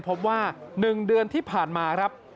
พบว่า๑เดือนที่ผ่านมาครับ